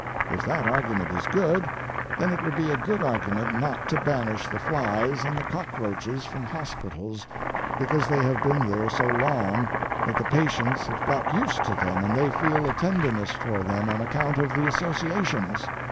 If that argument is good, then it would be a good argument not to banish the flies and the cockroaches from hospitals because they have been there so long that the patients have got used to them and they feel a tenderness for them on account of the associations.